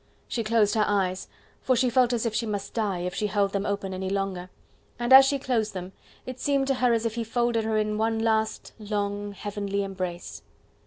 She closed her eyes, for she felt as if she must die, if she held them open any longer; and as she closed them it seemed to her as if he folded her in one last, long, heavenly embrace.